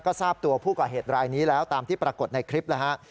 ก็ทราบตัวผู้ก่อเหตุรายนี้แล้วตามที่ปรากฏในคลิปแล้วฮะ